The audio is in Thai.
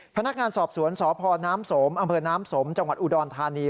พนักงานสอบสวนสพน้ำสมอำเภอน้ำสมจังหวัดอุดรธานี